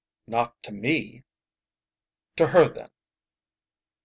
"Not to me." "To her, then."